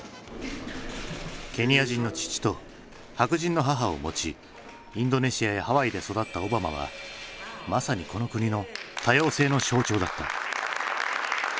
ケニア人の父と白人の母を持ちインドネシアやハワイで育ったオバマはまさにこの国の多様性の象徴だった。